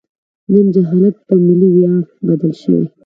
نن جهالت په ملي ویاړ بدل شوی.